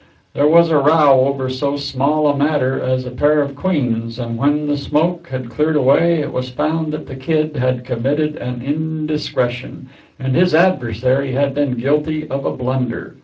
There was a row over so small a matter as a pair of queens; and when the smoke had cleared away it was found that the Kid had committed an indiscretion, and his adversary had been guilty of a blunder.